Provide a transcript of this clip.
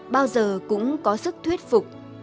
bao giờ cũng có sức thuyết phục